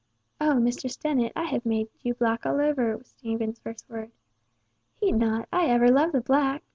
"O, Mistress Dennet, I have made you black all over!" was Stephen's first word. "Heed not, I ever loved the black!"